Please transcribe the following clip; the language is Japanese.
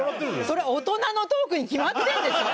それは大人のトークに決まってんでしょ。